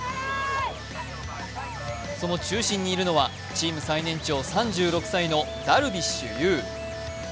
その中心にいるのはチーム最年長３６歳のダルビッシュ有。